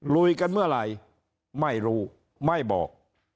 ลุยกันเมื่อไหร่ไม่รู้ไม่บอก